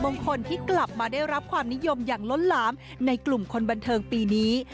คนที่กลับมาได้รับความนิยมอย่างล้นหลามในกลุ่มคนบันเทิงปีนี้